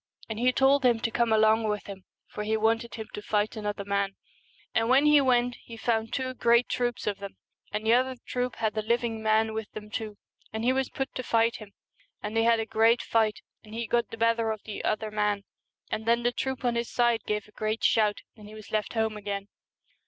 And he told him to come along with him, for he wanted him to fight another man. And when he 189 The went he found two great troops of them, Celtic J u u U J 1 • Twilight, and the other troop had a living man with them too, and he was put to fight him. And they had a great fight, and he got the better of the other man, and then the troop on his side gave a great shout, and he was left home again.